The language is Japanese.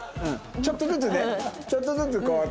ちょっとずつね。